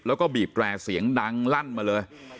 แล้วก็บีบแร่เสียงดังลั่นมาเลย